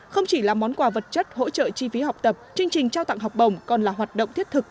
không chỉ là món quà vật chất hỗ trợ chi phí học tập chương trình trao tặng học bổng còn là hoạt động thiết thực